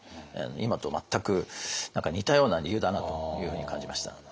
今と全く似たような理由だなというふうに感じました。